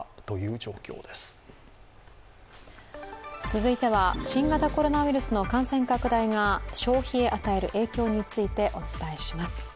続いては新型コロナウイルスの感染拡大が消費へ与える影響についてお伝えします。